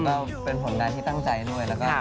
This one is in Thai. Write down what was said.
เราเป็นผลงานที่ตั้งใจด้วย